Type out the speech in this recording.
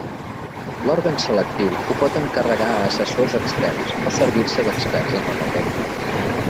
L'òrgan selectiu ho pot encarregar a assessors externs o servir-se d'experts en la matèria.